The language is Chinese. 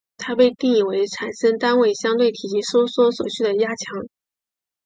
它被定义为产生单位相对体积收缩所需的压强。